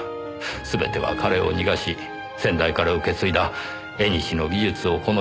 全ては彼を逃がし先代から受け継いだ縁の技術をこの世に残すために。